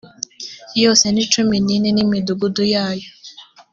yose ni cumi n ine n imidugudu yayo